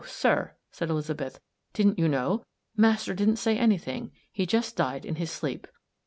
sir," said Elizabeth, "didn't you know? Master didn't say anything. He just died in his sleep."